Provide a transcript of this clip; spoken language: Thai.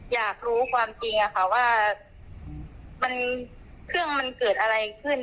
อยากรู้ความจริงอะค่ะว่าเครื่องมันเกิดอะไรขึ้น